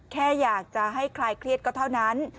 แค่อยากจะให้คลายเครียดก็เท่านั้น